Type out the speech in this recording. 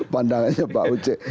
pandangannya pak uce